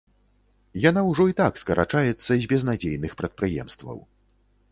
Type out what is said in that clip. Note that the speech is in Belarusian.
Яна ўжо і так скарачаецца з безнадзейных прадпрыемстваў.